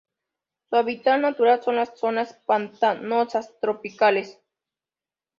Su hábitat natural son las zonas pantanosas tropicales.